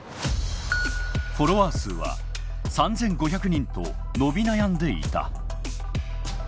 フォロワー数は３，５００人と伸び悩んでいた。